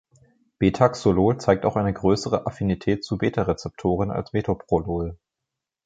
Betaxolol zeigt auch eine größere Affinität zu Betarezeptoren als Metoprolol.